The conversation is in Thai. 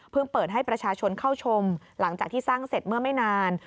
เปิดให้ประชาชนเข้าชมหลังจากที่สร้างเสร็จเมื่อไม่นาน